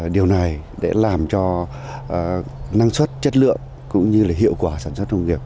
điều này để làm cho năng suất chất lượng cũng như hiệu quả sản xuất nông nghiệp